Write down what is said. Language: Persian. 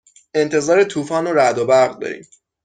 انتظار طوفان رعد و برق داریم.